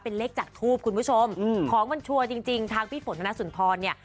เป็นเลขจากทูบคุณผู้ชมของมันชัวร์จริงจริงทางพี่ฝนธนสุนทรเนี่ย